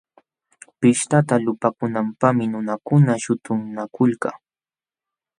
Pishtata lulpaakunanpaqmi nunakuna shuntunakulka.